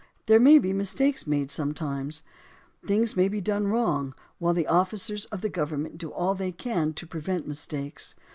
There may be mistakes made sometimes; things may be done wrong, while the officers of the government do all they can to prevent mistakes.